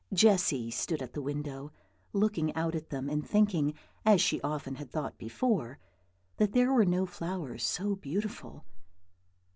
Jessy stood at the window, looking out at them, and thinking, as she often had thought before, that there were no flowers so beautiful.